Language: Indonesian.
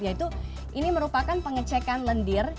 yaitu ini merupakan pengecekan lendir